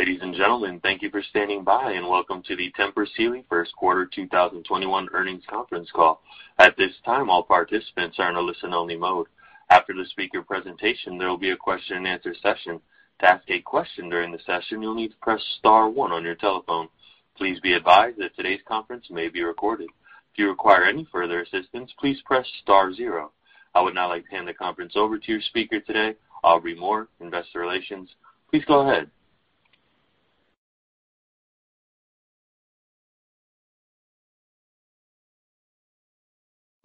Ladies and gentlemen, thank you for standing by, welcome to the Tempur Sealy First Quarter 2021 Earnings Conference Call. At this time, all participants are in a listen-only mode. After the speaker presentation, there will be a question-and-answer session. To ask a question during the session, you'll need to press star one on your telephone. Please be advised that today's conference may be recorded. If you require any further assistance, please press star zero. I would now like to hand the conference over to your speaker today, Aubrey Moore, Investor Relations. Please go ahead.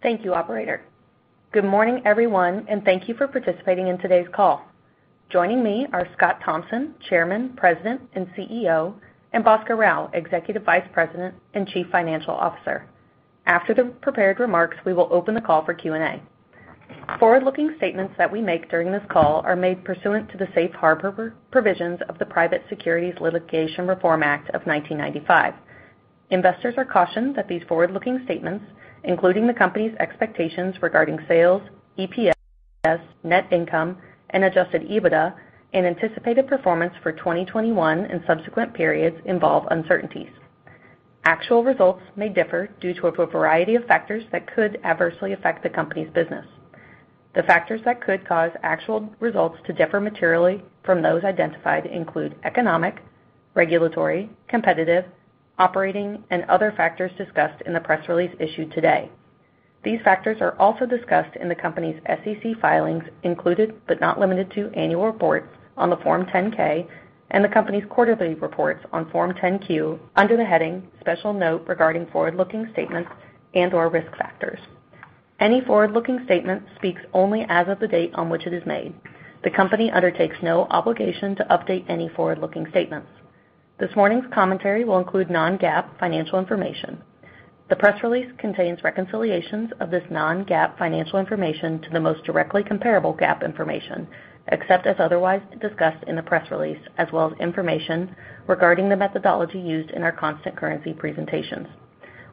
Thank you, operator. Good morning, everyone, and thank you for participating in today's call. Joining me are Scott Thompson, Chairman, President, and CEO, and Bhaskar Rao, Executive Vice President and Chief Financial Officer. After the prepared remarks, we will open the call for Q&A. Forward-looking statements that we make during this call are made pursuant to the safe harbor provisions of the Private Securities Litigation Reform Act of 1995. Investors are cautioned that these forward-looking statements, including the company's expectations regarding sales, EPS, net income, and adjusted EBITDA, and anticipated performance for 2021 and subsequent periods involve uncertainties. Actual results may differ due to a variety of factors that could adversely affect the company's business. The factors that could cause actual results to differ materially from those identified include economic, regulatory, competitive, operating, and other factors discussed in the press release issued today. These factors are also discussed in the company's SEC filings included, but not limited to, annual reports on the Form 10-K and the company's quarterly reports on Form 10-Q under the heading Special Note Regarding Forward-Looking Statements and/or Risk Factors. Any forward-looking statement speaks only as of the date on which it is made. The company undertakes no obligation to update any forward-looking statements. This morning's commentary will include non-GAAP financial information. The press release contains reconciliations of this non-GAAP financial information to the most directly comparable GAAP information, except as otherwise discussed in the press release, as well as information regarding the methodology used in our constant currency presentations.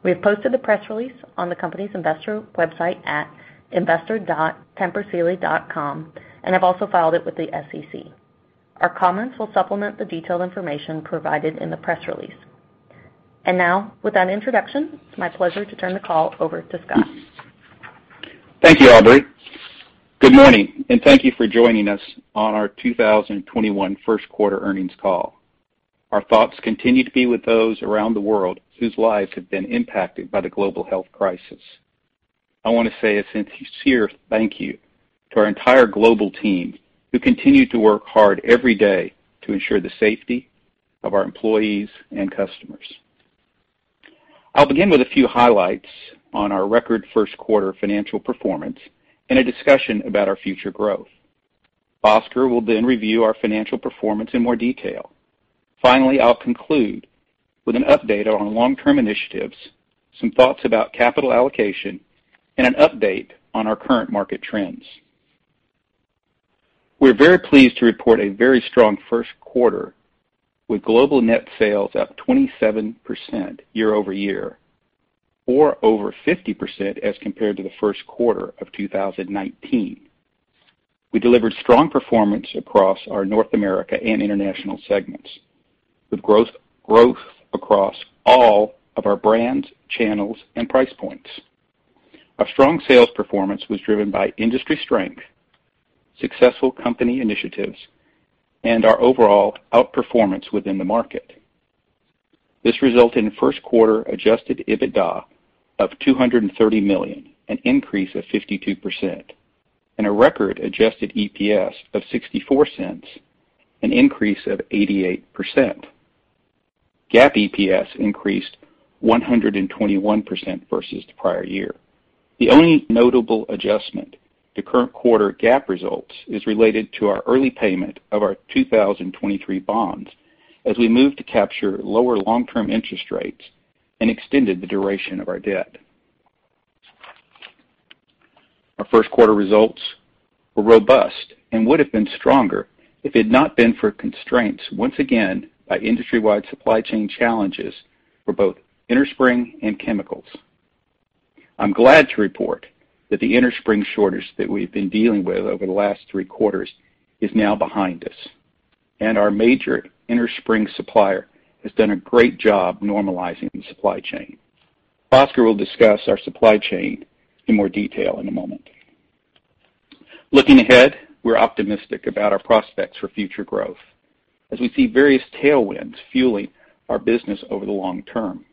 We have posted the press release on the company's investor website at investor.tempursealy.com and have also filed it with the SEC. Our comments will supplement the detailed information provided in the press release. Now, with that introduction, it's my pleasure to turn the call over to Scott. Thank you, Aubrey. Good morning, and thank you for joining us on our 2021 first quarter earnings call. Our thoughts continue to be with those around the world whose lives have been impacted by the global health crisis. I want to say a sincere thank you to our entire global team, who continue to work hard every day to ensure the safety of our employees and customers. I'll begin with a few highlights on our record first quarter financial performance and a discussion about our future growth. Bhaskar will then review our financial performance in more detail. Finally, I'll conclude with an update on our long-term initiatives, some thoughts about capital allocation, and an update on our current market trends. We're very pleased to report a very strong first quarter with global net sales up 27% year-over-year or over 50% as compared to the first quarter of 2019. We delivered strong performance across our North America and international segments with growth across all of our brands, channels, and price points. Our strong sales performance was driven by industry strength, successful company initiatives, and our overall outperformance within the market. This resulted in first quarter adjusted EBITDA of $230 million, an increase of 52%, and a record adjusted EPS of $0.64, an increase of 88%. GAAP EPS increased 121% versus the prior year. The only notable adjustment to current quarter GAAP results is related to our early payment of our 2023 bonds as we moved to capture lower long-term interest rates and extended the duration of our debt. Our first quarter results were robust and would've been stronger if it had not been for constraints, once again, by industry-wide supply chain challenges for both innerspring and chemicals. I'm glad to report that the innerspring shortage that we've been dealing with over the last three quarters is now behind us. Our major innerspring supplier has done a great job normalizing the supply chain. Bhaskar will discuss our supply chain in more detail in a moment. Looking ahead, we're optimistic about our prospects for future growth as we see various tailwinds fueling our business over the long term.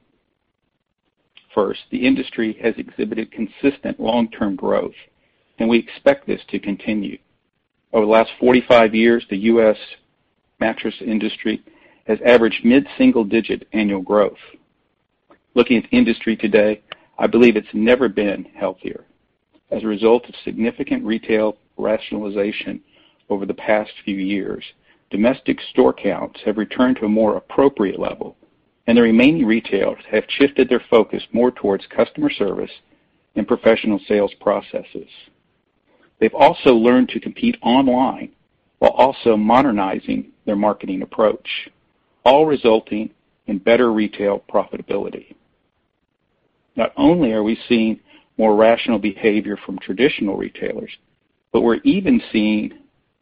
First, the industry has exhibited consistent long-term growth. We expect this to continue. Over the last 45 years, the U.S. mattress industry has averaged mid-single-digit annual growth. Looking at the industry today, I believe it's never been healthier. As a result of significant retail rationalization over the past few years, domestic store counts have returned to a more appropriate level. The remaining retailers have shifted their focus more towards customer service and professional sales processes. They've also learned to compete online while also modernizing their marketing approach, all resulting in better retail profitability. Not only are we seeing more rational behavior from traditional retailers, but we're even seeing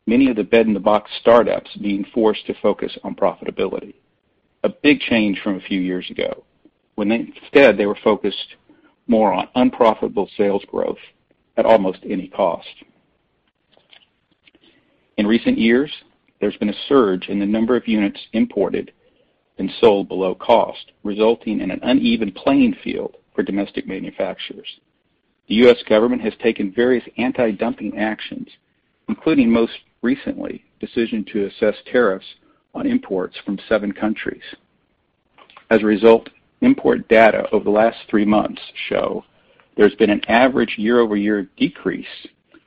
many of the bed-in-a-box startups being forced to focus on profitability. A big change from a few years ago when instead they were focused more on unprofitable sales growth at almost any cost. In recent years, there's been a surge in the number of units imported and sold below cost, resulting in an uneven playing field for domestic manufacturers. The U.S. government has taken various anti-dumping actions, including, most recently, decision to assess tariffs on imports from seven countries. As a result, import data over the last three months show there's been an average year-over-year decrease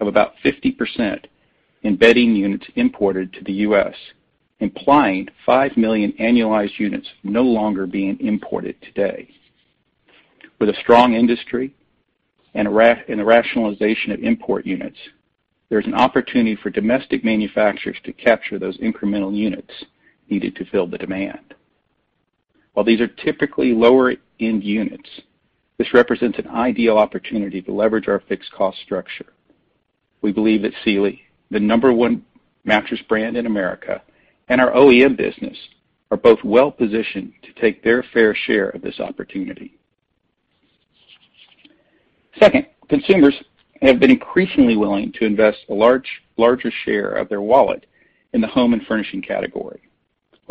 of about 50% in bedding units imported to the U.S., implying five million annualized units no longer being imported today. With a strong industry and the rationalization of import units, there's an opportunity for domestic manufacturers to capture those incremental units needed to fill the demand. While these are typically lower end units, this represents an ideal opportunity to leverage our fixed cost structure. We believe that Sealy, the number one mattress brand in America, and our OEM business are both well-positioned to take their fair share of this opportunity. Second, consumers have been increasingly willing to invest a larger share of their wallet in the home and furnishing category.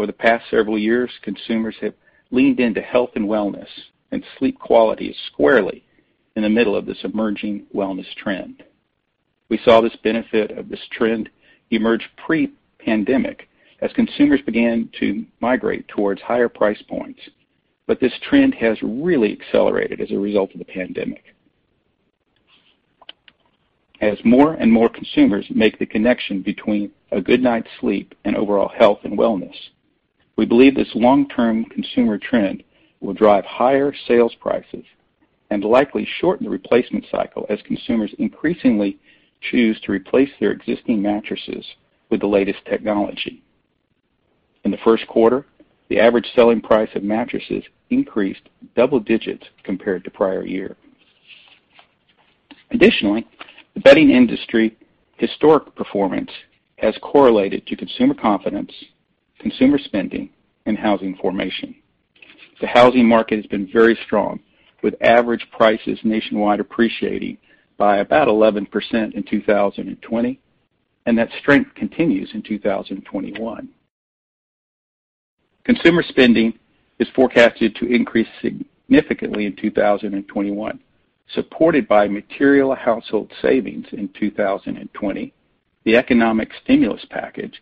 Over the past several years, consumers have leaned into health and wellness. Sleep quality is squarely in the middle of this emerging wellness trend. We saw this benefit of this trend emerge pre-pandemic as consumers began to migrate towards higher price points. This trend has really accelerated as a result of the pandemic. As more and more consumers make the connection between a good night's sleep and overall health and wellness, we believe this long-term consumer trend will drive higher sales prices and likely shorten the replacement cycle as consumers increasingly choose to replace their existing mattresses with the latest technology. In the first quarter, the average selling price of mattresses increased double digits compared to prior year. Additionally, the bedding industry historic performance has correlated to consumer confidence, consumer spending, and housing formation. The housing market has been very strong, with average prices nationwide appreciating by about 11% in 2020, and that strength continues in 2021. Consumer spending is forecasted to increase significantly in 2021, supported by material household savings in 2020, the economic stimulus package,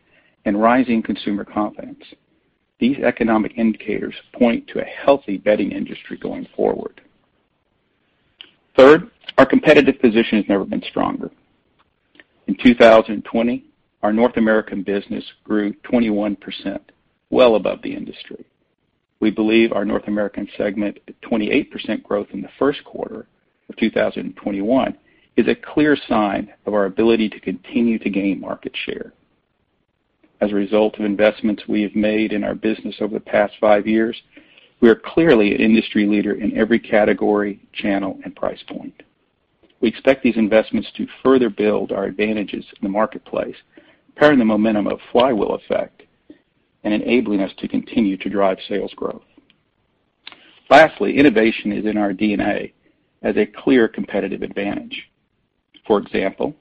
and rising consumer confidence. These economic indicators point to a healthy bedding industry going forward. Third, our competitive position has never been stronger. In 2020, our North American business grew 21%, well above the industry. We believe our North American segment at 28% growth in the first quarter of 2021 is a clear sign of our ability to continue to gain market share. As a result of investments we have made in our business over the past five years, we are clearly an industry leader in every category, channel, and price point. We expect these investments to further build our advantages in the marketplace, carrying the momentum of flywheel effect, and enabling us to continue to drive sales growth. Lastly, innovation is in our DNA as a clear competitive advantage. For example,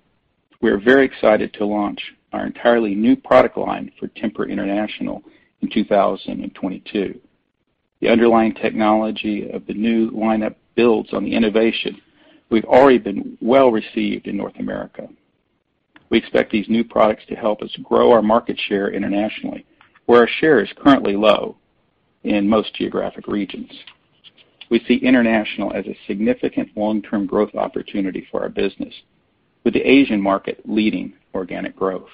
we are very excited to launch our entirely new product line for Tempur International in 2022. The underlying technology of the new lineup builds on the innovation we've already been well received in North America. We expect these new products to help us grow our market share internationally, where our share is currently low in most geographic regions. We see international as a significant long-term growth opportunity for our business, with the Asian market leading organic growth.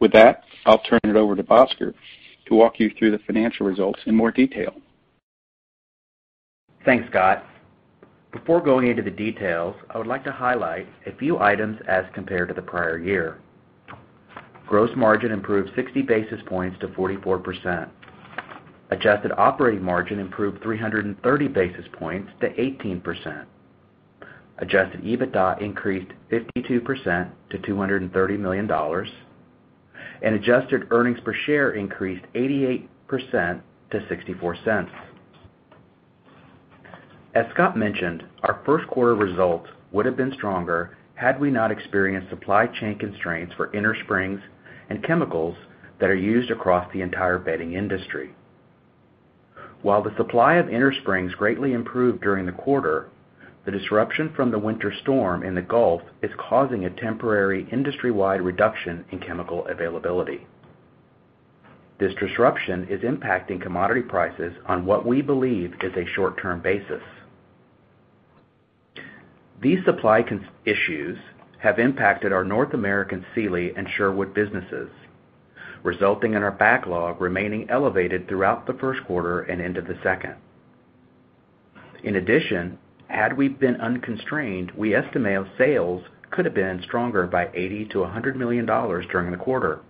With that, I'll turn it over to Bhaskar to walk you through the financial results in more detail. Thanks, Scott. Before going into the details, I would like to highlight a few items as compared to the prior year. Gross margin improved 60 basis points to 44%. Adjusted operating margin improved 330 basis points to 18%. Adjusted EBITDA increased 52% to $230 million. Adjusted earnings per share increased 88% to $0.64. As Scott mentioned, our first quarter results would have been stronger had we not experienced supply chain constraints for innersprings and chemicals that are used across the entire bedding industry. While the supply of innersprings greatly improved during the quarter, the disruption from the winter storm in the Gulf is causing a temporary industry-wide reduction in chemical availability. This disruption is impacting commodity prices on what we believe is a short-term basis. These supply issues have impacted our North American Sealy and Sherwood businesses, resulting in our backlog remaining elevated throughout the first quarter and into the second. In addition, had we been unconstrained, we estimate sales could have been stronger by $80 million-$100 million during the quarter.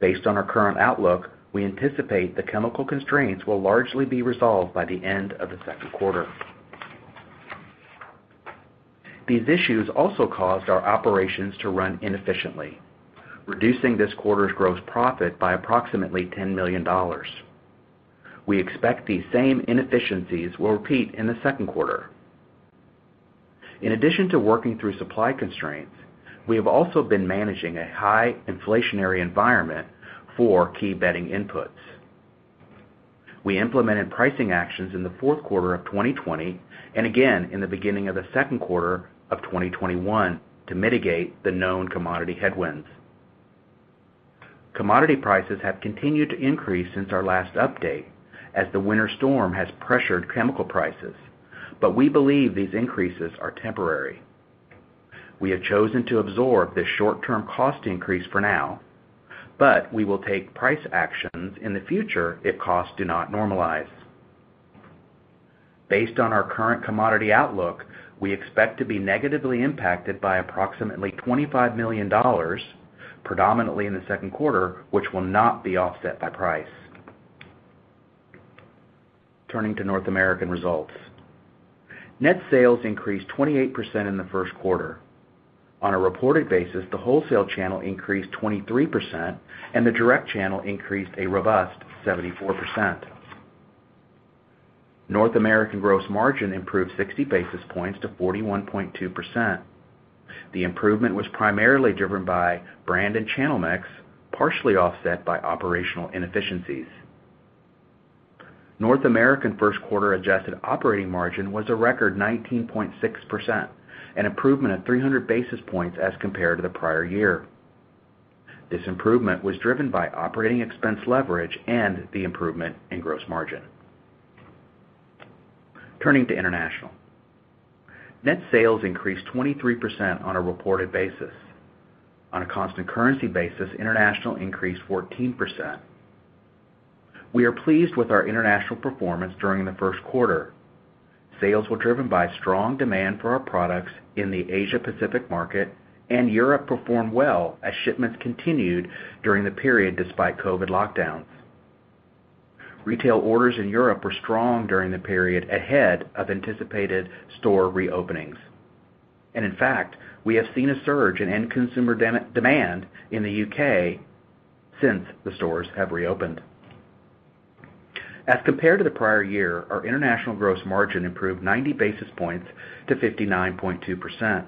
Based on our current outlook, we anticipate the chemical constraints will largely be resolved by the end of the second quarter. These issues also caused our operations to run inefficiently, reducing this quarter's gross profit by approximately $10 million. We expect these same inefficiencies will repeat in the second quarter. In addition to working through supply constraints, we have also been managing a high inflationary environment for key bedding inputs. We implemented pricing actions in the fourth quarter of 2020 and again in the beginning of the second quarter of 2021 to mitigate the known commodity headwinds. Commodity prices have continued to increase since our last update, as the winter storm has pressured chemical prices, but we believe these increases are temporary. We have chosen to absorb this short-term cost increase for now, but we will take price actions in the future if costs do not normalize. Based on our current commodity outlook, we expect to be negatively impacted by approximately $25 million, predominantly in the second quarter, which will not be offset by price. Turning to North American results. Net sales increased 28% in the first quarter. On a reported basis, the wholesale channel increased 23%, and the direct channel increased a robust 74%. North American gross margin improved 60 basis points to 41.2%. The improvement was primarily driven by brand and channel mix, partially offset by operational inefficiencies. North American first-quarter adjusted operating margin was a record 19.6%, an improvement of 300 basis points as compared to the prior year. This improvement was driven by operating expense leverage and the improvement in gross margin. Turning to international. Net sales increased 23% on a reported basis. On a constant currency basis, international increased 14%. We are pleased with our international performance during the first quarter. Sales were driven by strong demand for our products in the Asia-Pacific market. Europe performed well as shipments continued during the period, despite COVID lockdowns. Retail orders in Europe were strong during the period ahead of anticipated store reopenings. In fact, we have seen a surge in end consumer demand in the U.K. since the stores have reopened. As compared to the prior year, our international gross margin improved 90 basis points to 59.2%.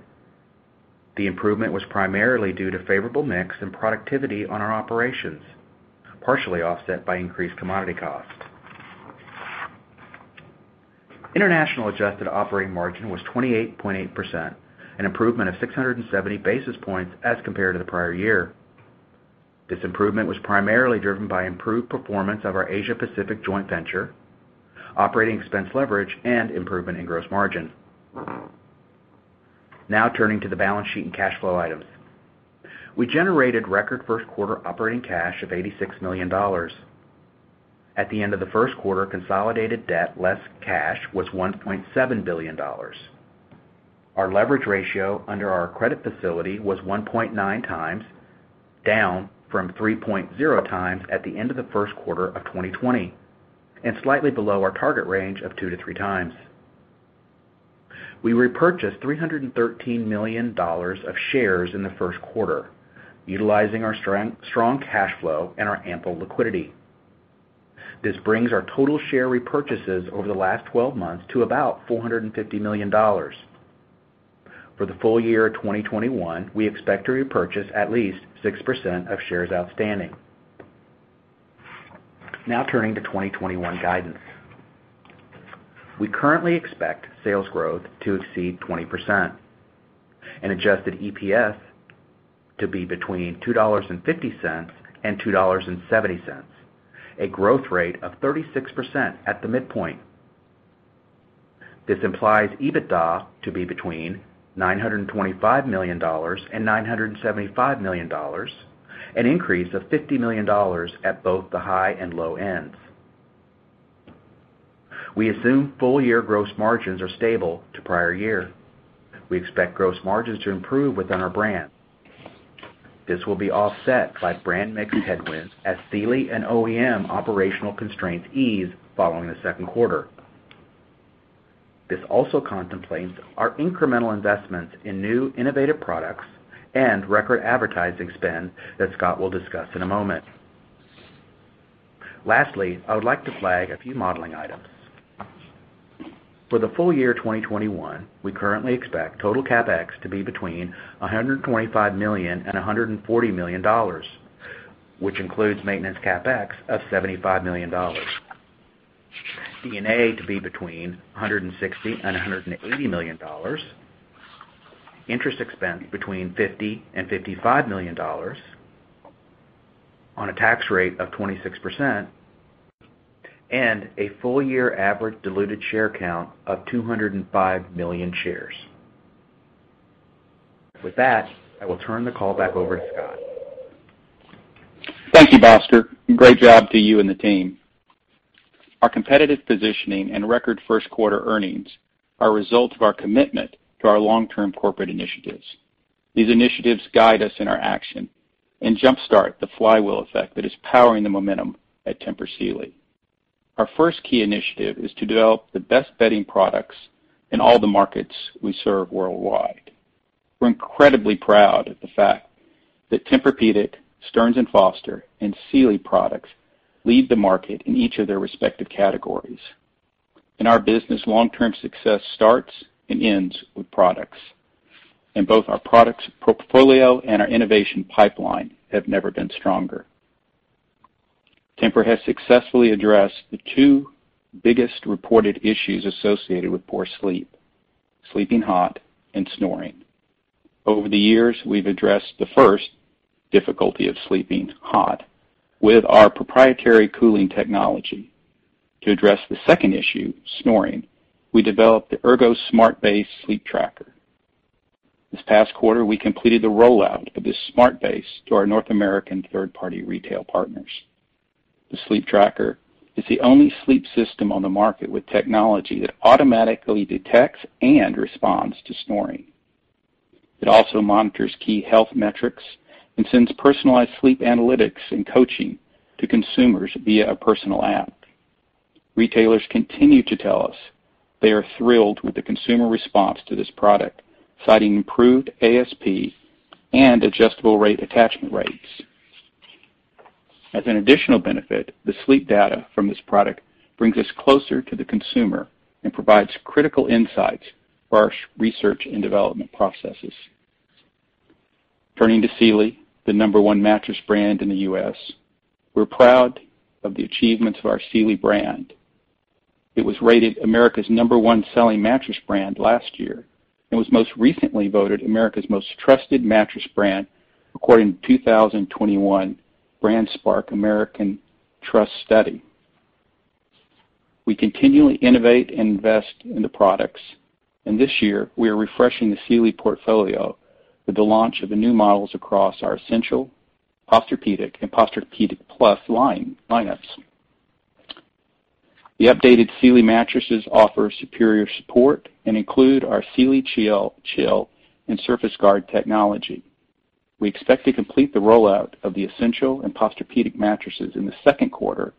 The improvement was primarily due to favorable mix and productivity on our operations, partially offset by increased commodity costs. International adjusted operating margin was 28.8%, an improvement of 670 basis points as compared to the prior year. This improvement was primarily driven by improved performance of our Asia-Pacific joint venture, operating expense leverage, and improvement in gross margin. Turning to the balance sheet and cash flow items. We generated record first-quarter operating cash of $86 million. At the end of the first quarter, consolidated debt less cash was $1.7 billion. Our leverage ratio under our credit facility was 1.9x, down from 3.0x at the end of the first quarter of 2020, and slightly below our target range of 2x-3x. We repurchased $313 million of shares in the first quarter, utilizing our strong cash flow and our ample liquidity. This brings our total share repurchases over the last 12 months to about $450 million. For the full year 2021, we expect to repurchase at least 6% of shares outstanding. Turning to 2021 guidance. We currently expect sales growth to exceed 20% and adjusted EPS to be between $2.50 and $2.70, a growth rate of 36% at the midpoint. This implies EBITDA to be between $925 million and $975 million, an increase of $50 million at both the high and low ends. We assume full-year gross margins are stable to prior year. We expect gross margins to improve within our brand. This will be offset by brand mix headwinds as Sealy and OEM operational constraints ease following the second quarter. This also contemplates our incremental investments in new innovative products and record advertising spend that Scott will discuss in a moment. Lastly, I would like to flag a few modeling items. For the full year 2021, we currently expect total CapEx to be between $125 million and $140 million, which includes maintenance CapEx of $75 million, D&A to be between $160 million and $180 million, interest expense between $50 million and $55 million on a tax rate of 26%, and a full-year average diluted share count of 205 million shares. With that, I will turn the call back over to Scott. Thank you, Bhaskar. Great job to you and the team. Our competitive positioning and record first quarter earnings are a result of our commitment to our long-term corporate initiatives. These initiatives guide us in our action and jumpstart the flywheel effect that is powering the momentum at Tempur Sealy. Our first key initiative is to develop the best bedding products in all the markets we serve worldwide. We're incredibly proud of the fact that Tempur-Pedic, Stearns & Foster, and Sealy products lead the market in each of their respective categories. In our business, long-term success starts and ends with products. Both our products portfolio and our innovation pipeline have never been stronger. Tempur has successfully addressed the two biggest reported issues associated with poor sleep, sleeping hot and snoring. Over the years, we've addressed the first, difficulty of sleeping hot, with our proprietary cooling technology. To address the second issue, snoring, we developed the TEMPUR-Ergo Smart Base sleep tracker. This past quarter, we completed the rollout of this smart base to our North American third-party retail partners. The sleep tracker is the only sleep system on the market with technology that automatically detects and responds to snoring. It also monitors key health metrics and sends personalized sleep analytics and coaching to consumers via a personal app. Retailers continue to tell us they are thrilled with the consumer response to this product, citing improved ASP and adjustable rate attachment rates. As an additional benefit, the sleep data from this product brings us closer to the consumer and provides critical insights for our research and development processes. Turning to Sealy, the number one mattress brand in the U.S., we're proud of the achievements of our Sealy brand. It was rated America's number one selling mattress brand last year and was most recently voted America's most trusted mattress brand according to 2021 BrandSpark American Trust Study. We continually innovate and invest in the products. This year, we are refreshing the Sealy portfolio with the launch of the new models across our Essentials, Posturepedic, and Posturepedic Plus lineups. The updated Sealy mattresses offer superior support and include our SealyChill and Surface-Guard Technology. We expect to complete the rollout of the Essentials and Posturepedic mattresses in the second quarter,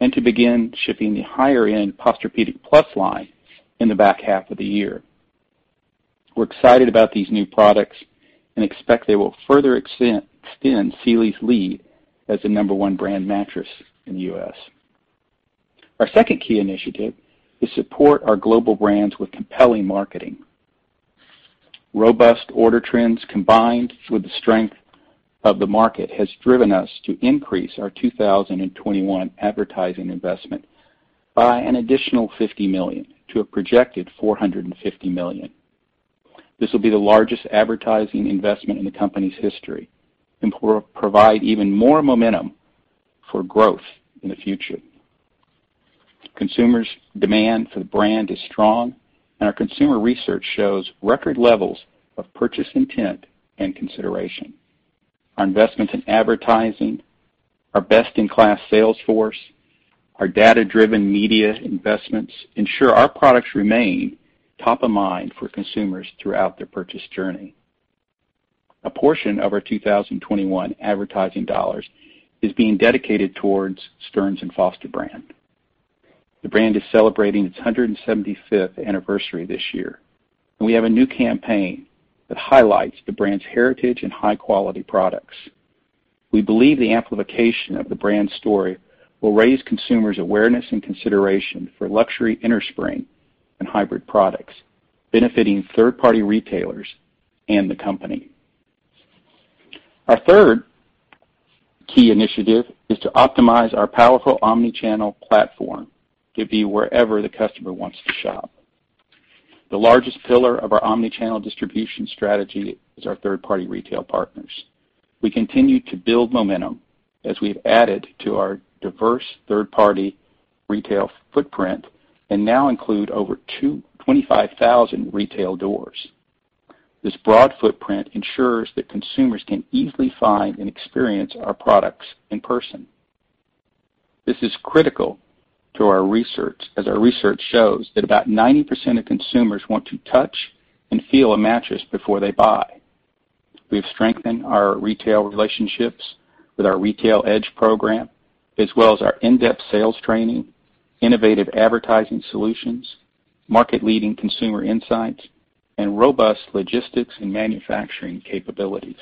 and to begin shipping the higher end Posturepedic Plus line in the back half of the year. We're excited about these new products and expect they will further extend Sealy's lead as the number one brand mattress in the U.S. Our second key initiative is support our global brands with compelling marketing. Robust order trends combined with the strength of the market has driven us to increase our 2021 advertising investment by an additional $50 million to a projected $450 million. This will be the largest advertising investment in the company's history and provide even more momentum for growth in the future. Consumers' demand for the brand is strong, and our consumer research shows record levels of purchase intent and consideration. Our investments in advertising, our best-in-class sales force, our data-driven media investments ensure our products remain top of mind for consumers throughout their purchase journey. A portion of our 2021 advertising dollars is being dedicated towards Stearns & Foster brand. The brand is celebrating its 175th anniversary this year, and we have a new campaign that highlights the brand's heritage and high-quality products. We believe the amplification of the brand story will raise consumers' awareness and consideration for luxury innerspring and hybrid products, benefiting third-party retailers and the company. Our third key initiative is to optimize our powerful omni-channel platform to be wherever the customer wants to shop. The largest pillar of our omni-channel distribution strategy is our third-party retail partners. We continue to build momentum as we've added to our diverse third-party retail footprint, and now include over 25,000 retail doors. This broad footprint ensures that consumers can easily find and experience our products in person. This is critical to our research, as our research shows that about 90% of consumers want to touch and feel a mattress before they buy. We've strengthened our retail relationships with our Retail Edge program, as well as our in-depth sales training, innovative advertising solutions, market-leading consumer insights, and robust logistics and manufacturing capabilities.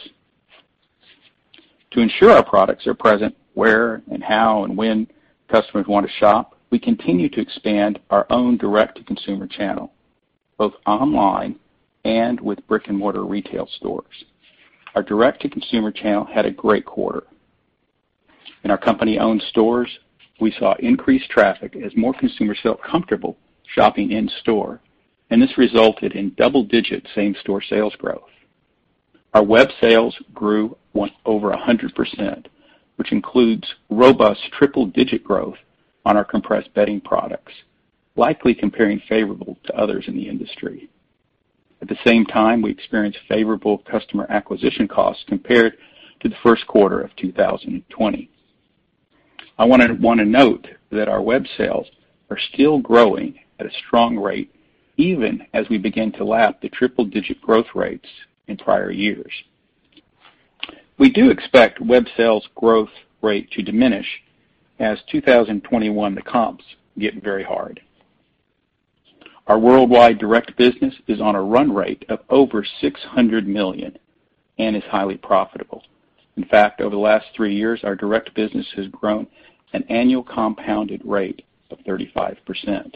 To ensure our products are present where and how and when customers want to shop, we continue to expand our own direct-to-consumer channel, both online and with brick-and-mortar retail stores. Our direct-to-consumer channel had a great quarter. In our company-owned stores, we saw increased traffic as more consumers felt comfortable shopping in store, and this resulted in double-digit same-store sales growth. Our web sales grew over 100%, which includes robust triple-digit growth on our compressed bedding products. Likely comparing favorable to others in the industry. At the same time, we experienced favorable customer acquisition costs compared to the first quarter of 2020. I want to note that our web sales are still growing at a strong rate, even as we begin to lap the triple-digit growth rates in prior years. We do expect web sales growth rate to diminish as 2021 comps get very hard. Our worldwide direct business is on a run rate of over $600 million and is highly profitable. In fact, over the last three years, our direct business has grown an annual compounded rate of 35%.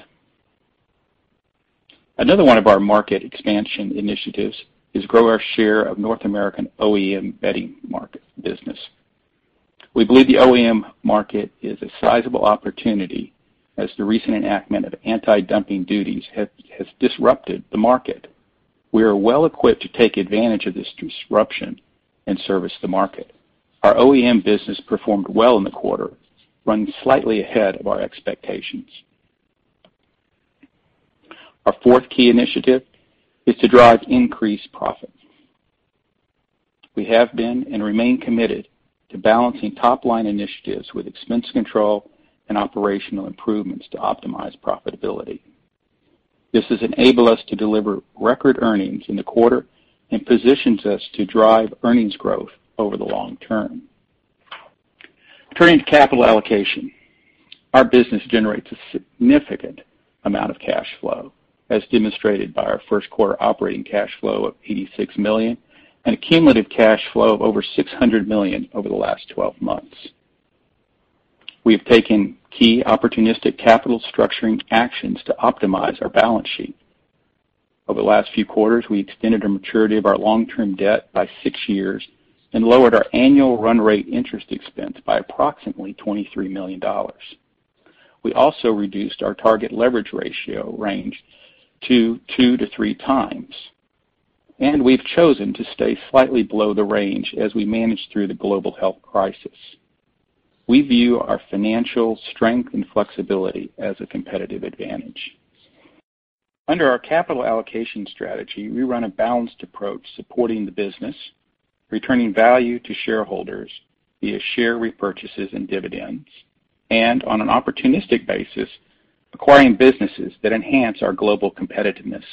Another one of our market expansion initiatives is grow our share of North American OEM bedding market business. We believe the OEM market is a sizable opportunity, as the recent enactment of anti-dumping duties has disrupted the market. We are well equipped to take advantage of this disruption and service the market. Our OEM business performed well in the quarter, running slightly ahead of our expectations. Our fourth key initiative is to drive increased profits. We have been and remain committed to balancing top-line initiatives with expense control and operational improvements to optimize profitability. This has enabled us to deliver record earnings in the quarter and positions us to drive earnings growth over the long term. Turning to capital allocation. Our business generates a significant amount of cash flow, as demonstrated by our first quarter operating cash flow of $86 million and a cumulative cash flow of over $600 million over the last 12 months. We have taken key opportunistic capital structuring actions to optimize our balance sheet. Over the last few quarters, we extended the maturity of our long-term debt by six years and lowered our annual run rate interest expense by approximately $23 million. We also reduced our target leverage ratio range to 2x-3x, and we've chosen to stay slightly below the range as we manage through the global health crisis. We view our financial strength and flexibility as a competitive advantage. Under our capital allocation strategy, we run a balanced approach supporting the business, returning value to shareholders via share repurchases and dividends, and on an opportunistic basis, acquiring businesses that enhance our global competitiveness.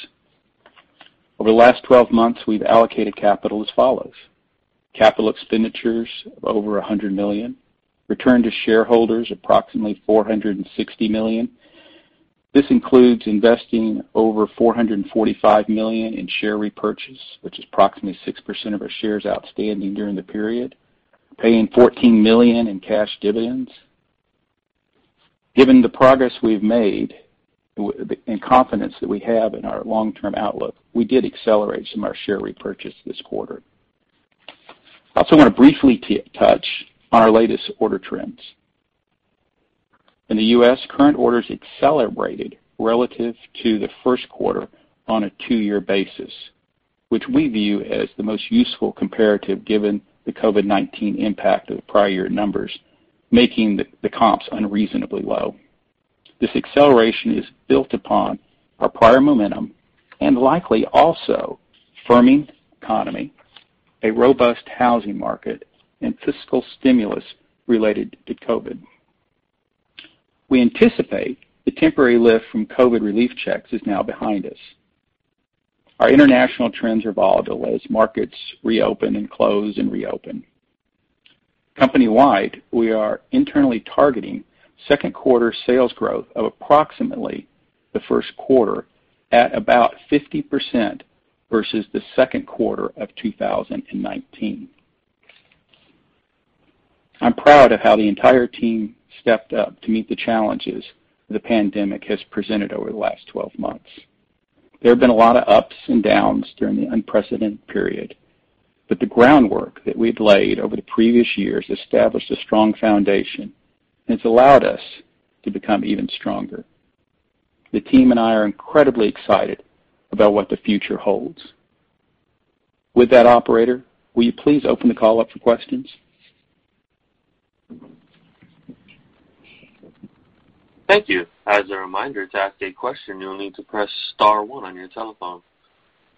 Over the last 12 months, we've allocated capital as follows: capital expenditures of over $100 million, return to shareholders approximately $460 million. This includes investing over $445 million in share repurchase, which is approximately 6% of our shares outstanding during the period, paying $14 million in cash dividends. Given the progress we've made and confidence that we have in our long-term outlook, we did accelerate some of our share repurchase this quarter. I also want to briefly touch on our latest order trends. In the U.S., current orders accelerated relative to the first quarter on a two-year basis, which we view as the most useful comparative given the COVID-19 impact of the prior year numbers, making the comps unreasonably low. This acceleration is built upon our prior momentum and likely also firming economy, a robust housing market, and fiscal stimulus related to COVID. We anticipate the temporary lift from COVID relief checks is now behind us. Our international trends are volatile as markets reopen and close and reopen. Company-wide, we are internally targeting second quarter sales growth of approximately the first quarter at about 50% versus the second quarter of 2019. I'm proud of how the entire team stepped up to meet the challenges the pandemic has presented over the last 12 months. There have been a lot of ups and downs during the unprecedented period, but the groundwork that we've laid over the previous years established a strong foundation, and it's allowed us to become even stronger. The team and I are incredibly excited about what the future holds. With that, operator, will you please open the call up for questions? Thank you. As a reminder, to ask a question, you'll need to press star one on your telephone.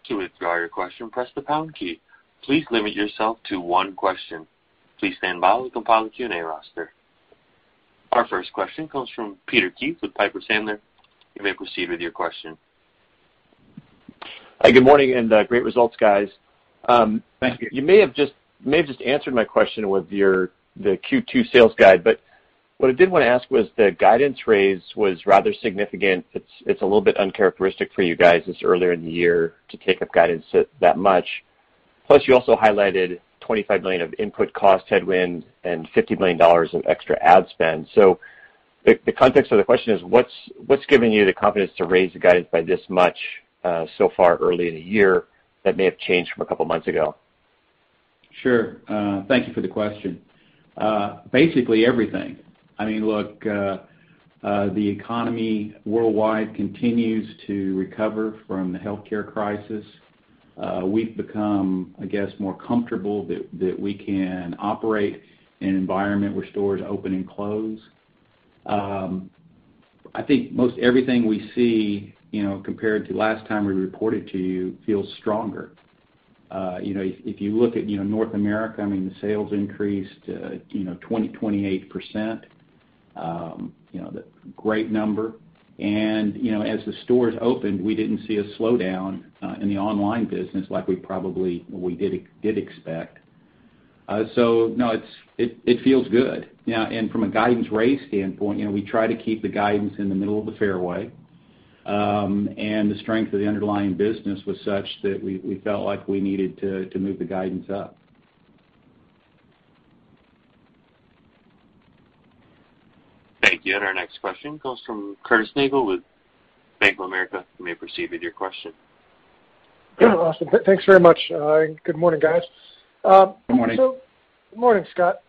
To withdraw your question, press the pound key. Please limit yourself to one question. Please stand by while we compile the Q&A roster. Our first question comes from Peter Keith with Piper Sandler. You may proceed with your question. Hi, good morning and great results, guys. Thank you. You may have just answered my question with the Q2 sales guide, but what I did want to ask was the guidance raise was rather significant. It's a little bit uncharacteristic for you guys this early in the year to take up guidance that much. You also highlighted $25 million of input cost headwind and $50 million of extra ad spend. The context of the question is what's giving you the confidence to raise the guidance by this much so far early in the year that may have changed from a couple of months ago? Sure. Thank you for the question. Basically everything. Look, the economy worldwide continues to recover from the healthcare crisis. We've become, I guess, more comfortable that we can operate in an environment where stores open and close. I think most everything we see, compared to last time we reported to you, feels stronger. If you look at North America, the sales increased 20%, 28%, a great number. As the stores opened, we didn't see a slowdown in the online business like we probably did expect. No, it feels good. From a guidance raise standpoint, we try to keep the guidance in the middle of the fairway. The strength of the underlying business was such that we felt like we needed to move the guidance up. Thank you. Our next question comes from Curtis Nagle with Bank of America. You may proceed with your question. Yeah, awesome. Thanks very much. Good morning, guys. Good morning. Good morning, Scott.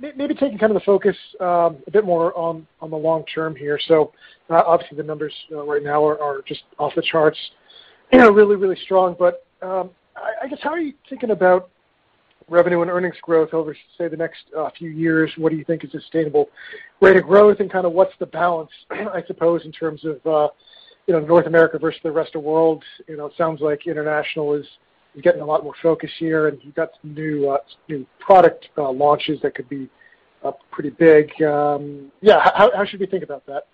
Maybe taking the focus a bit more on the long term here. Obviously the numbers right now are just off the charts, really, really strong. I guess, how are you thinking about revenue and earnings growth over, say, the next few years? What do you think is a sustainable way to grow? What's the balance, I suppose, in terms of North America versus the rest of the world? It sounds like international is getting a lot more focus here, and you've got some new product launches that could be pretty big. Yeah, how should we think about that?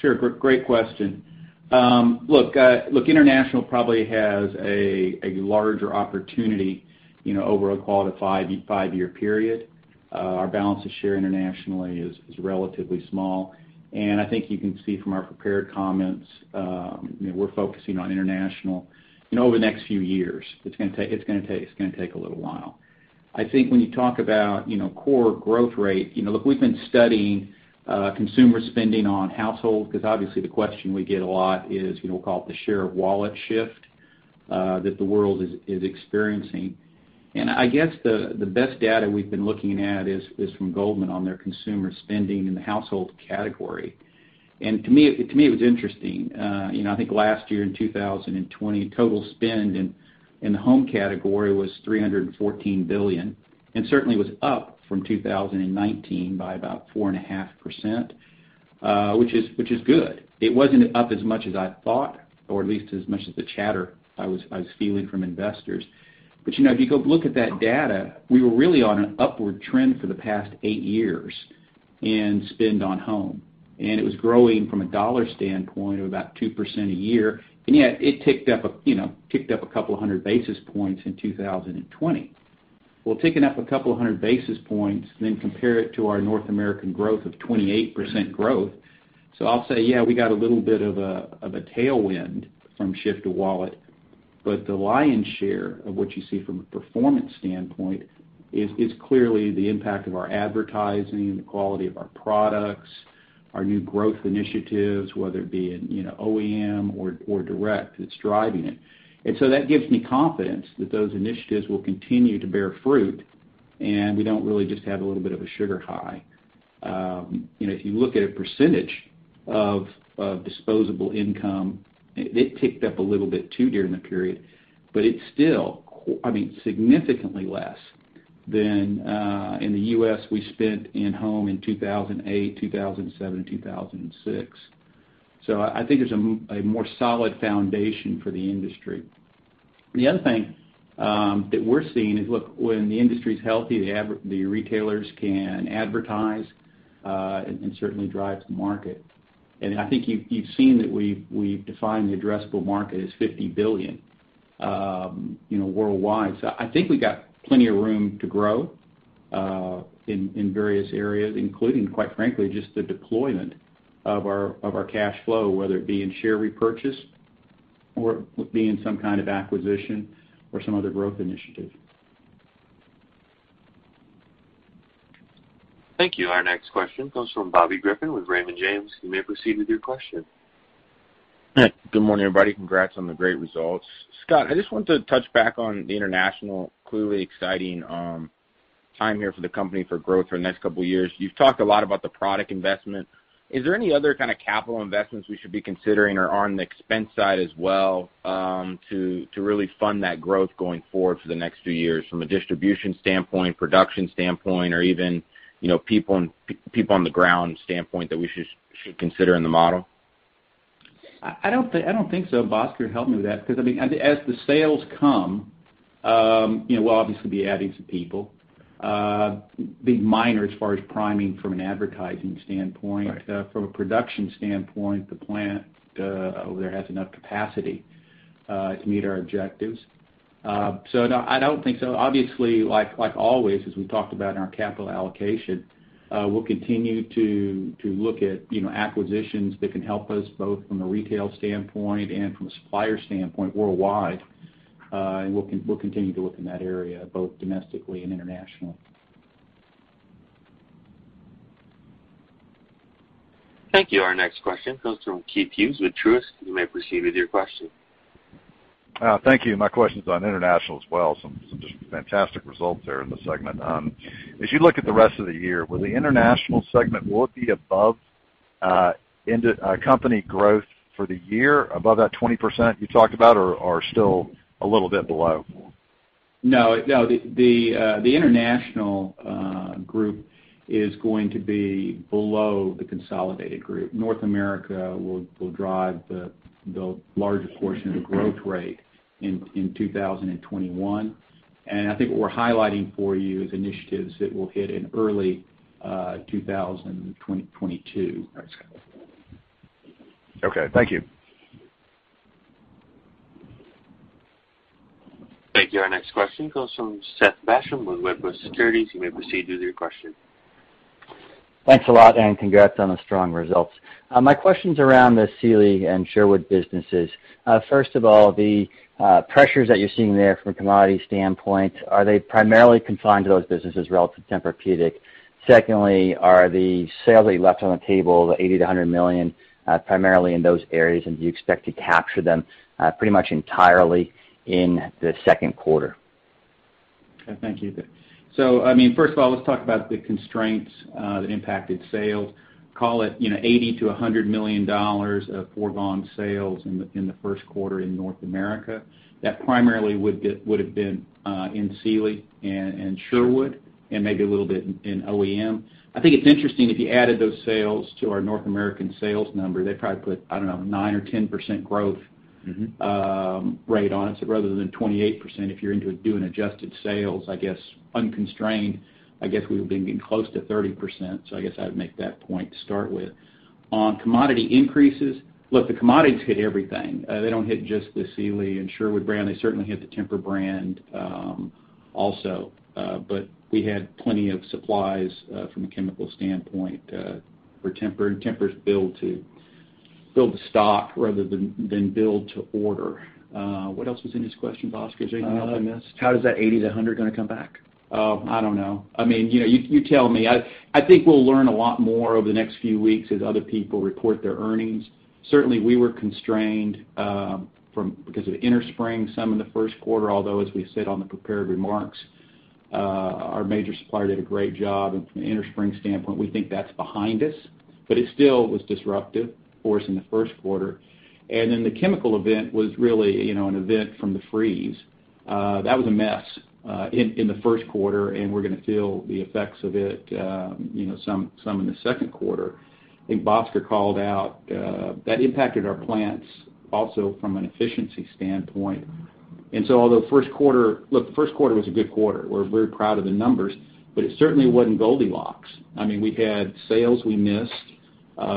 Sure. Great question. Look, international probably has a larger opportunity over a qualified five-year period. Our balance of share internationally is relatively small, and I think you can see from our prepared comments, we're focusing on international over the next few years. It's going to take a little while. I think when you talk about core growth rate, look, we've been studying consumer spending on household because obviously the question we get a lot is we call it the share of wallet shift that the world is experiencing. I guess the best data we've been looking at is from Goldman on their consumer spending in the household category. To me, it was interesting. I think last year in 2020, total spend in the home category was $314 billion, and certainly was up from 2019 by about 4.5%, which is good. It wasn't up as much as I thought, or at least as much as the chatter I was feeling from investors. If you go look at that data, we were really on an upward trend for the past eight years in spend on home, and it was growing from a dollar standpoint of about 2% a year. It ticked up a couple of hundred basis points in 2020. Ticking up a couple of hundred basis points, compare it to our North American growth of 28% growth. I'll say, yeah, we got a little bit of a tailwind from shift to wallet. The lion's share of what you see from a performance standpoint is clearly the impact of our advertising, the quality of our products, our new growth initiatives, whether it be in OEM or direct, that's driving it. That gives me confidence that those initiatives will continue to bear fruit, and we don't really just have a little bit of a sugar high. If you look at a percentage of disposable income, it ticked up a little bit too during the period, but it's still significantly less than in the U.S. we spent in-home in 2008, 2007, 2006. I think there's a more solid foundation for the industry. The other thing that we're seeing is, look, when the industry's healthy, the retailers can advertise and certainly drive the market. I think you've seen that we've defined the addressable market as $50 billion worldwide. I think we got plenty of room to grow in various areas, including, quite frankly, just the deployment of our cash flow, whether it be in share repurchase or it being some kind of acquisition or some other growth initiative. Thank you. Our next question comes from Bobby Griffin with Raymond James. You may proceed with your question. Good morning, everybody. Congrats on the great results. Scott, I just wanted to touch back on the international. Clearly exciting time here for the company for growth for the next couple of years. You've talked a lot about the product investment. Is there any other kind of capital investments we should be considering or on the expense side as well to really fund that growth going forward for the next few years, from a distribution standpoint, production standpoint, or even people on the ground standpoint that we should consider in the model? I don't think so. Bhaskar, help me with that, because as the sales come, we'll obviously be adding some people. It'll be minor as far as priming from an advertising standpoint. Right. From a production standpoint, the plant over there has enough capacity to meet our objectives. No, I don't think so. Obviously, like always, as we talked about in our capital allocation, we'll continue to look at acquisitions that can help us both from a retail standpoint and from a supplier standpoint worldwide. We'll continue to look in that area, both domestically and internationally. Thank you. Our next question comes from Keith Hughes with Truist. You may proceed with your question. Thank you. My question's on international as well. Some just fantastic results there in the segment. As you look at the rest of the year, will the international segment be above? Into company growth for the year above that 20% you talked about, or still a little bit below? No. The international group is going to be below the consolidated group. North America will drive the larger portion of the growth rate in 2021. I think what we're highlighting for you is initiatives that will hit in early 2022. Okay. Thank you. Thank you. Our next question comes from Seth Basham with Wedbush Securities. You may proceed with your question. Thanks a lot. Congrats on the strong results. My question's around the Sealy and Sherwood businesses. First of all, the pressures that you're seeing there from a commodity standpoint, are they primarily confined to those businesses relative to Tempur-Pedic? Secondly, are the sales that you left on the table, the $80 million-$100 million, primarily in those areas, and do you expect to capture them pretty much entirely in the second quarter? Thank you. First of all, let's talk about the constraints that impacted sales. Call it $80 million-$100 million of foregone sales in the first quarter in North America. That primarily would have been in Sealy and Sherwood and maybe a little bit in OEM. I think it's interesting, if you added those sales to our North American sales number, they'd probably put, I don't know, 9%-10% growth rate on it, so rather than 28%, if you're into doing adjusted sales, unconstrained, I guess we would have been getting close to 30%. I guess I would make that point to start with. On commodity increases, look, the commodities hit everything. They don't hit just the Sealy and Sherwood brand. They certainly hit the Tempur brand also. We had plenty of supplies from a chemical standpoint for Tempur, and Tempur's build to stock rather than build to order. What else was in his question, Bhaskar? Is there anything else I missed? How is that $80 million-$100 million going to come back? Oh, I don't know. You tell me. I think we'll learn a lot more over the next few weeks as other people report their earnings. Certainly, we were constrained because of innerspring some in the first quarter, although, as we said on the prepared remarks, our major supplier did a great job from an innerspring standpoint. We think that's behind us, but it still was disruptive for us in the first quarter. The chemical event was really an event from the freeze. That was a mess in the first quarter, and we're going to feel the effects of it some in the second quarter. I think Bhaskar called out that impacted our plants also from an efficiency standpoint. Although first quarter Look, the first quarter was a good quarter. We're very proud of the numbers, but it certainly wasn't Goldilocks. We had sales we missed.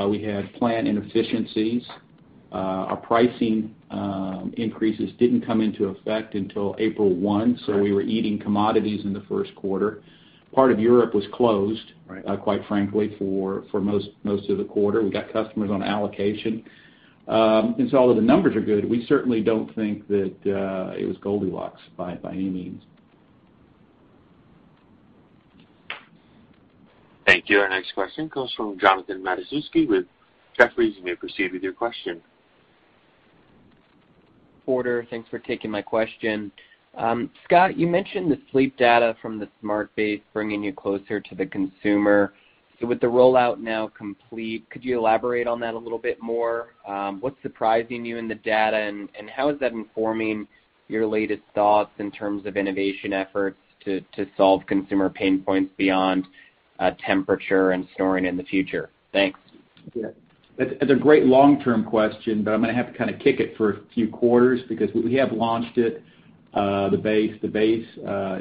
We had plant inefficiencies. Our pricing increases didn't come into effect until April 1, so we were eating commodities in the first quarter. Part of Europe was closed. Right. Quite frankly, for most of the quarter. We got customers on allocation. Although the numbers are good, we certainly don't think that it was Goldilocks by any means. Thank you. Our next question comes from Jonathan Matuszewski with Jefferies. You may proceed with your question. Order. Thanks for taking my question. Scott, you mentioned the sleep data from the smart base bringing you closer to the consumer. With the rollout now complete, could you elaborate on that a little bit more? What's surprising you in the data, and how is that informing your latest thoughts in terms of innovation efforts to solve consumer pain points beyond temperature and snoring in the future? Thanks. That's a great long-term question, but I'm going to have to kind of kick it for a few quarters because we have launched it, the base. The base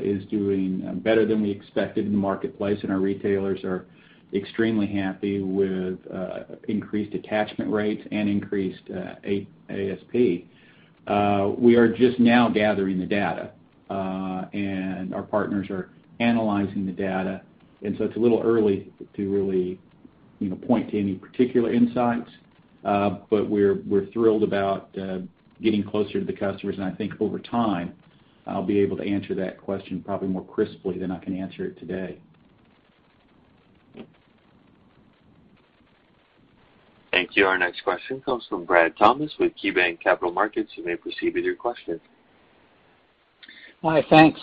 is doing better than we expected in the marketplace, and our retailers are extremely happy with increased attachment rates and increased ASP. We are just now gathering the data, and our partners are analyzing the data, so it's a little early to really point to any particular insights. We're thrilled about getting closer to the customers, and I think over time, I'll be able to answer that question probably more crisply than I can answer it today. Thank you. Our next question comes from Brad Thomas with KeyBanc Capital Markets. You may proceed with your question. Hi, thanks.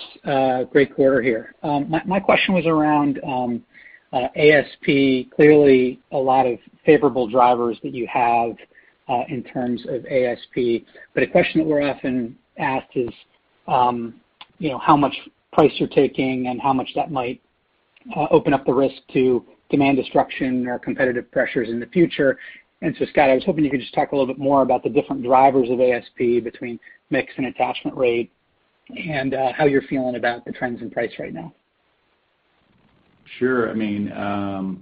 Great quarter here. My question was around ASP. Clearly, a lot of favorable drivers that you have in terms of ASP, but a question that we're often asked is how much price you're taking and how much that might open up the risk to demand destruction or competitive pressures in the future. Scott, I was hoping you could just talk a little bit more about the different drivers of ASP between mix and attachment rate and how you're feeling about the trends in price right now. Sure. A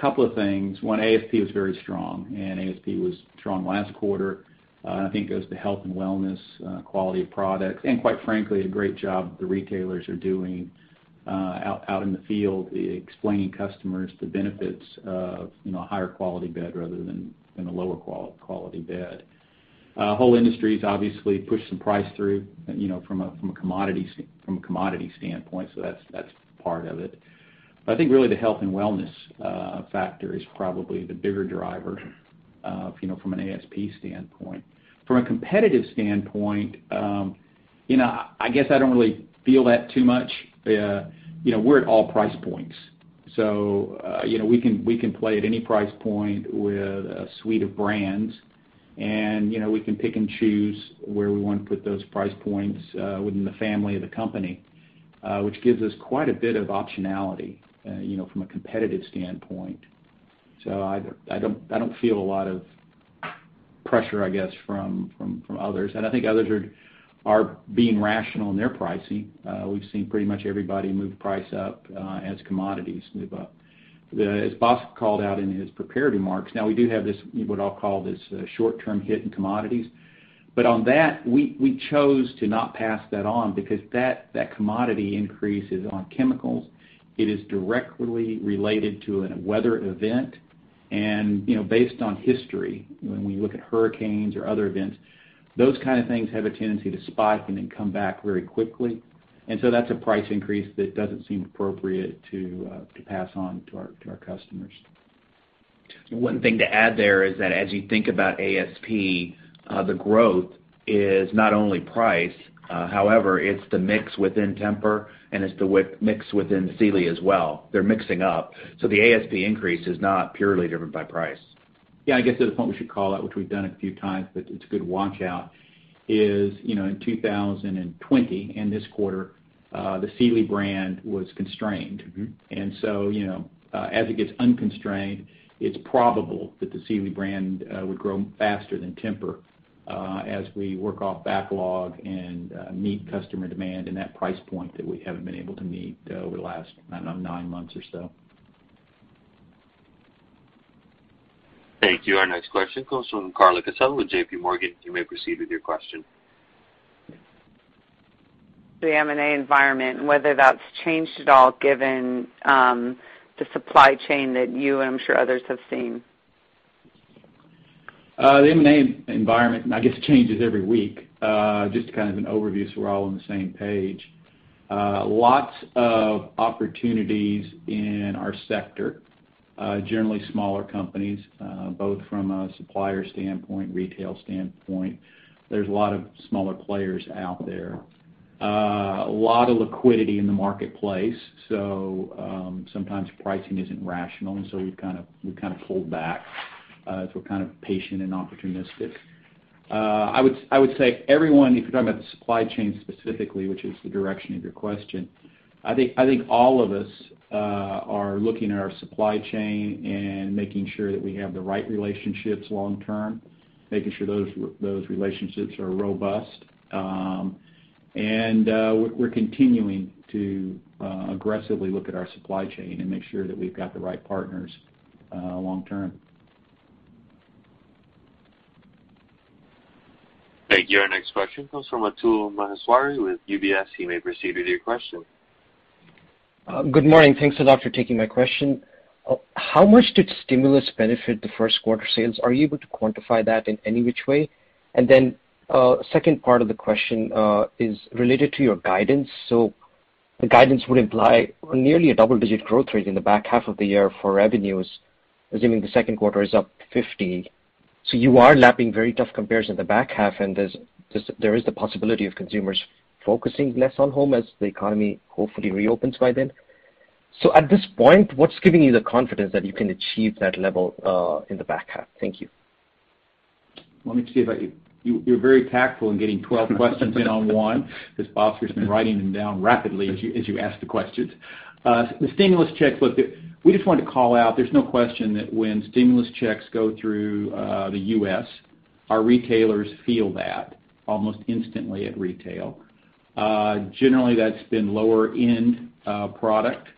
couple of things. One, ASP was very strong, and ASP was strong last quarter. I think it goes to health and wellness, quality of products, and quite frankly, a great job the retailers are doing out in the field explaining customers the benefits of a higher quality bed rather than a lower quality bed. Our whole industry's obviously pushed some price through from a commodity standpoint, so that's part of it. I think really the health and wellness factor is probably the bigger driver from an ASP standpoint. From a competitive standpoint, I guess I don't really feel that too much. We're at all price points, so we can play at any price point with a suite of brands, and we can pick and choose where we want to put those price points within the family of the company, which gives us quite a bit of optionality from a competitive standpoint. I don't feel a lot of pressure, I guess, from others. I think others are being rational in their pricing. We've seen pretty much everybody move price up as commodities move up. As Bhaskar called out in his prepared remarks, now we do have this, what I'll call this short-term hit in commodities. On that, we chose to not pass that on because that commodity increase is on chemicals. It is directly related to a weather event. Based on history, when we look at hurricanes or other events, those kind of things have a tendency to spike and then come back very quickly. That's a price increase that doesn't seem appropriate to pass on to our customers. One thing to add there is that as you think about ASP, the growth is not only price. However, it's the mix within Tempur, and it's the mix within Sealy as well. They're mixing up. The ASP increase is not purely driven by price. Yeah, I guess to the point we should call out, which we've done a few times, but it's a good watch-out, is in 2020, in this quarter, the Sealy brand was constrained. As it gets unconstrained, it's probable that the Sealy brand would grow faster than Tempur as we work off backlog and meet customer demand in that price point that we haven't been able to meet over the last, I don't know, nine months or so. Thank you. Our next question comes from Carla Casella with JPMorgan. You may proceed with your question. The M&A environment and whether that's changed at all given the supply chain that you and I'm sure others have seen. The M&A environment, I guess it changes every week. Just kind of an overview so we're all on the same page. Lots of opportunities in our sector. Generally smaller companies, both from a supplier standpoint, retail standpoint. There's a lot of smaller players out there. A lot of liquidity in the marketplace, so sometimes pricing isn't rational, and so we've kind of pulled back. We're kind of patient and opportunistic. I would say everyone, if you're talking about the supply chain specifically, which is the direction of your question, I think all of us are looking at our supply chain and making sure that we have the right relationships long term, making sure those relationships are robust. We're continuing to aggressively look at our supply chain and make sure that we've got the right partners long term. Thank you. Our next question comes from Atul Maheswari with UBS. You may proceed with your question. Good morning. Thanks a lot for taking my question. How much did stimulus benefit the first quarter sales? Are you able to quantify that in any which way? Second part of the question is related to your guidance. The guidance would imply nearly a double-digit growth rate in the back half of the year for revenues, assuming the second quarter is up 50%. You are lapping very tough comparison in the back half, and there is the possibility of consumers focusing less on home as the economy hopefully reopens by then. At this point, what's giving you the confidence that you can achieve that level in the back half? Thank you. Let me see if I You're very tactful in getting 12 questions in on one, because Bhaskar's been writing them down rapidly as you ask the questions. The stimulus checks, look, we just wanted to call out, there's no question that when stimulus checks go through the U.S., our retailers feel that almost instantly at retail. Generally, that's been lower-end product,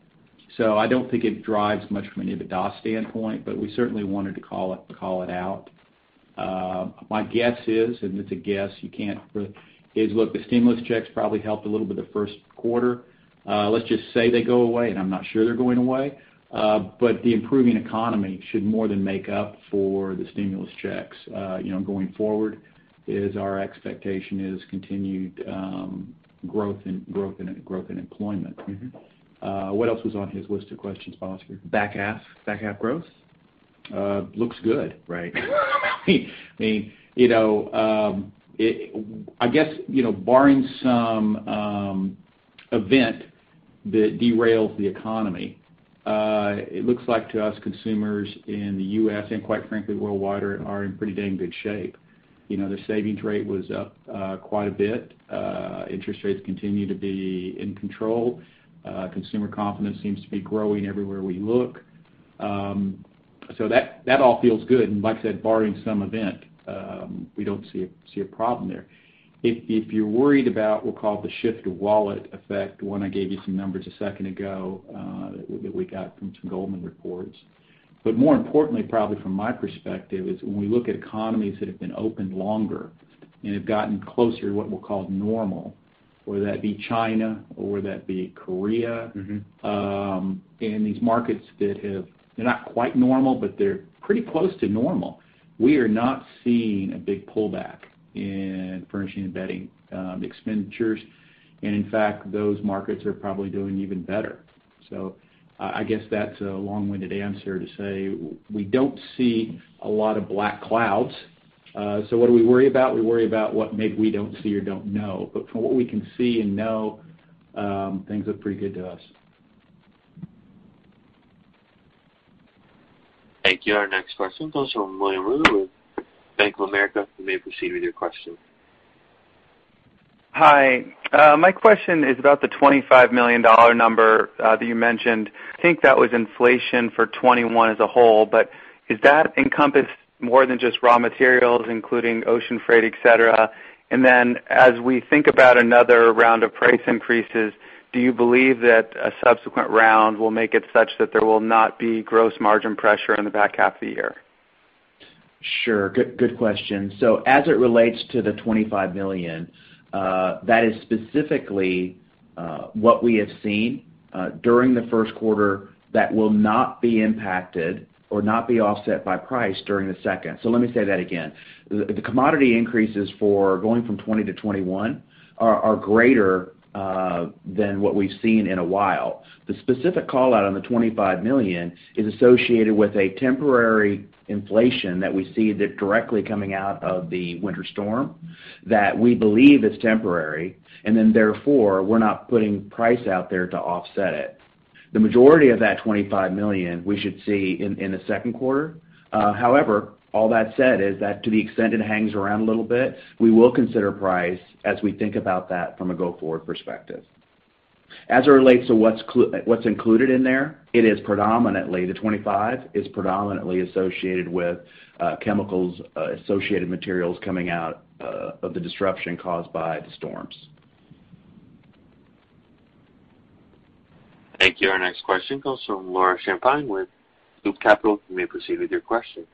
so I don't think it drives much from any of the DSO standpoint, but we certainly wanted to call it out. My guess is, and it's a guess, you can't really, look, the stimulus checks probably helped a little bit the first quarter. Let's just say they go away, and I'm not sure they're going away, but the improving economy should more than make up for the stimulus checks going forward is our expectation is continued growth in employment. What else was on his list of questions, Bhaskar? Back half. Back half growth. Looks good. Right. I guess barring some event that derails the economy, it looks like to us, consumers in the U.S. and quite frankly, worldwide, are in pretty dang good shape. Their savings rate was up quite a bit. Interest rates continue to be in control. Consumer confidence seems to be growing everywhere we look. That all feels good, and like I said, barring some event, we don't see a problem there. If you're worried about, we'll call it the shift wallet effect, one, I gave you some numbers a second ago that we got from some Goldman reports. More importantly, probably from my perspective, is when we look at economies that have been opened longer and have gotten closer to what we'll call normal, whether that be China or whether that be Korea- These markets, they're not quite normal, but they're pretty close to normal, we are not seeing a big pullback in furnishing and bedding expenditures. In fact, those markets are probably doing even better. I guess that's a long-winded answer to say we don't see a lot of black clouds. What do we worry about? We worry about what maybe we don't see or don't know, but from what we can see and know, things look pretty good to us. Thank you. Our next question comes from William Reuter with Bank of America. You may proceed with your question. Hi. My question is about the $25 million number that you mentioned. I think that was inflation for 2021 as a whole, does that encompass more than just raw materials, including ocean freight, etc? As we think about another round of price increases, do you believe that a subsequent round will make it such that there will not be gross margin pressure in the back half of the year? As it relates to the $25 million, that is specifically what we have seen during the first quarter that will not be impacted or not be offset by price during the second. Let me say that again. The commodity increases for going from 2020 to 2021 are greater than what we've seen in a while. The specific call-out on the $25 million is associated with a temporary inflation that we see that directly coming out of the winter storm that we believe is temporary, therefore, we're not putting price out there to offset it. The majority of that $25 million we should see in the second quarter. However, all that said, is that to the extent it hangs around a little bit, we will consider price as we think about that from a go-forward perspective. As it relates to what's included in there, the $25 million is predominantly associated with chemicals, associated materials coming out of the disruption caused by the storms. Thank you. Our next question comes from Laura Champine with Loop Capital. You may proceed with your question.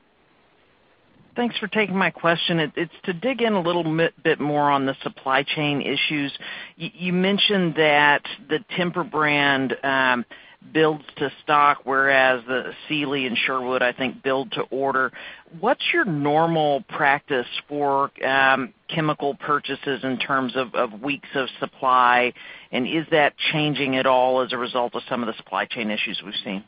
Thanks for taking my question. It's to dig in a little bit more on the supply chain issues. You mentioned that the Tempur brand builds to stock, whereas the Sealy and Sherwood, I think, build to order. What's your normal practice for chemical purchases in terms of weeks of supply? Is that changing at all as a result of some of the supply chain issues we've seen?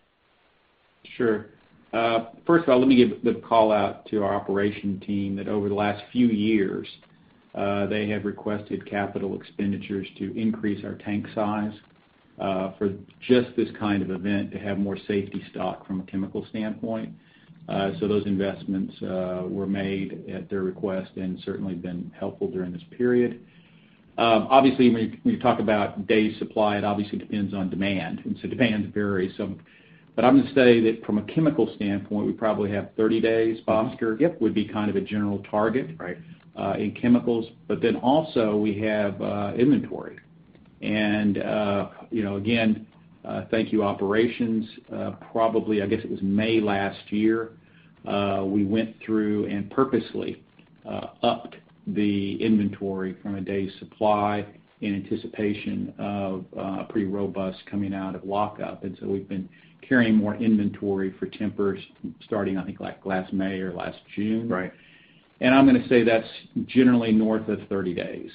Sure. First of all, let me give a call out to our operation team that over the last few years, they have requested capital expenditures to increase our tank size, for just this kind of event, to have more safety stock from a chemical standpoint. Those investments were made at their request and certainly been helpful during this period. Obviously, when you talk about days supply, it obviously depends on demand, and so demands vary. I'm going to say that from a chemical standpoint, we probably have 30 days buffer- Yep.... would be kind of a general target. Right. in chemicals. Also, we have inventory. Again, thank you, operations. Probably, I guess it was May last year, we went through and purposely upped the inventory from a days supply in anticipation of pretty robust coming out of lockup. We've been carrying more inventory for Tempur starting, I think, last May or last June. Right. I'm going to say that's generally north of 30 days.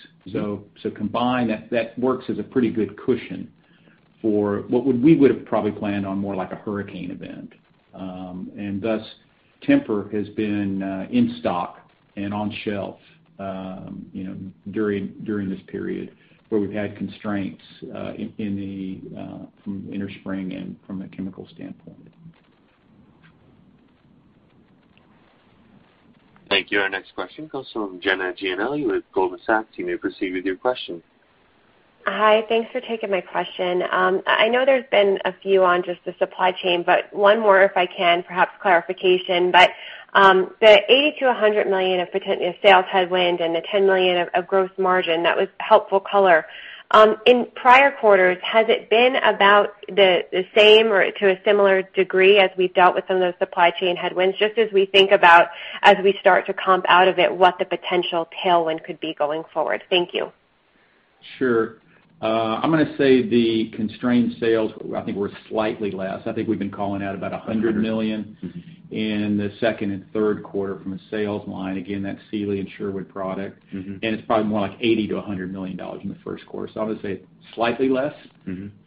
Combined, that works as a pretty good cushion for what we would've probably planned on more like a hurricane event. Thus Tempur has been in stock and on shelf during this period where we've had constraints from innerspring and from a chemical standpoint. Thank you. Our next question comes from Jenna Giannelli with Goldman Sachs. You may proceed with your question. Hi. Thanks for taking my question. I know there's been a few on just the supply chain, but one more if I can, perhaps clarification. The $80 million-$100 million of sales headwind and the $10 million of gross margin, that was helpful color. In prior quarters, has it been about the same or to a similar degree as we've dealt with some of those supply chain headwinds, just as we think about as we start to comp out of it, what the potential tailwind could be going forward? Thank you. Sure. I'm going to say the constrained sales, I think, were slightly less. I think we've been calling out about $100 million- $100 million... in the second and third quarter from a sales line. Again, that's Sealy and Sherwood product. It's probably more like $80 million-$100 million in the first quarter. I would say slightly less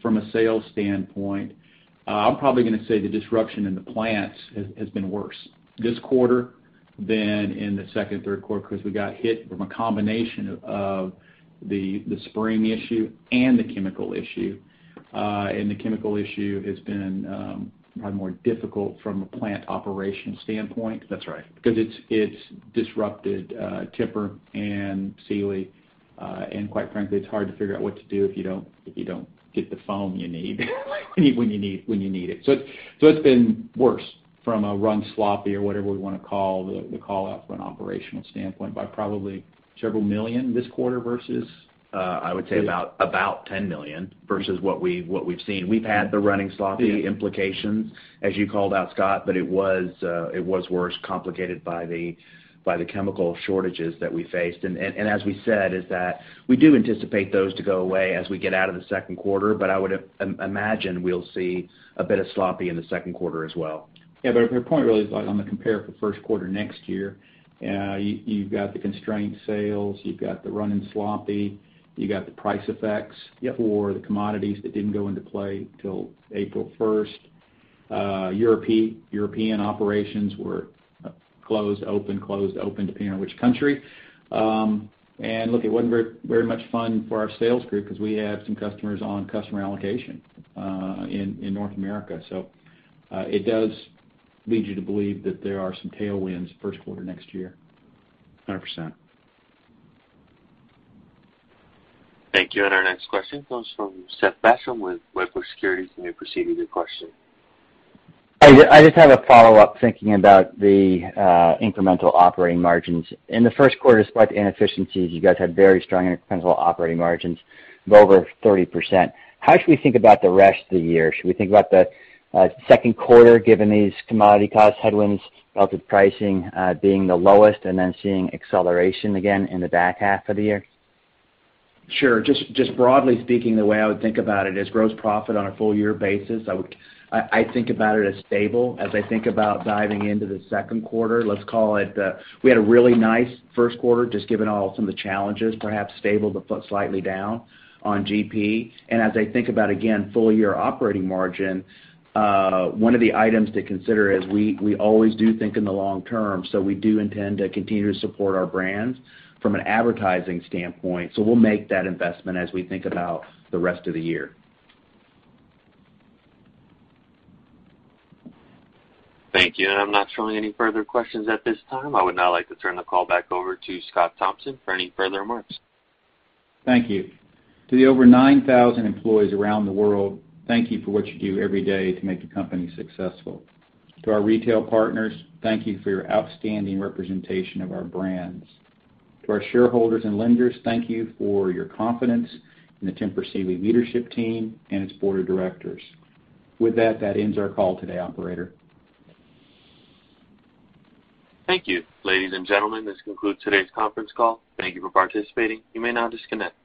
from a sales standpoint. I'm probably going to say the disruption in the plants has been worse this quarter than in the second and third quarter because we got hit from a combination of the spring issue and the chemical issue. The chemical issue has been probably more difficult from a plant operation standpoint- That's right.... because it's disrupted Tempur and Sealy. Quite frankly, it's hard to figure out what to do if you don't get the foam you need when you need it. It's been worse from a run sloppy or whatever we want to call the call out from an operational standpoint by probably several million this quarter versus. I would say about $10 million versus what we've seen. We've had the running sloppy implications, as you called out, Scott, but it was worse, complicated by the chemical shortages that we faced. As we said, is that we do anticipate those to go away as we get out of the second quarter, but I would imagine we'll see a bit of sloppy in the second quarter as well. Yeah, the point really is on the compare for first quarter next year, you've got the constrained sales, you've got the running sloppy, you got the price effects- Yep.... for the commodities that didn't go into play till April 1st. European operations were closed, open, closed, open, depending on which country. Look, it wasn't very much fun for our sales group because we have some customers on customer allocation in North America. It does lead you to believe that there are some tailwinds first quarter next year. 100%. Thank you. Our next question comes from Seth Basham with Wedbush Securities. You may proceed with your question. I just have a follow-up thinking about the incremental operating margins. In the first quarter, despite the inefficiencies, you guys had very strong incremental operating margins of over 30%. How should we think about the rest of the year? Should we think about the second quarter, given these commodity cost headwinds, relative pricing being the lowest, and then seeing acceleration again in the back half of the year? Sure. Just broadly speaking, the way I would think about it is gross profit on a full year basis. I think about it as stable. As I think about diving into the second quarter, let's call it, we had a really nice first quarter, just given all some of the challenges, perhaps stable to slightly down on GP. As I think about, again, full year operating margin, one of the items to consider is we always do think in the long term. We do intend to continue to support our brands from an advertising standpoint. We'll make that investment as we think about the rest of the year. Thank you. I'm not showing any further questions at this time. I would now like to turn the call back over to Scott Thompson for any further remarks. Thank you. To the over 9,000 employees around the world, thank you for what you do every day to make the company successful. To our retail partners, thank you for your outstanding representation of our brands. To our shareholders and lenders, thank you for your confidence in the Tempur Sealy leadership team and its board of directors. That ends our call today, operator. Thank you. Ladies and gentlemen, this concludes today's conference call. Thank you for participating. You may now disconnect.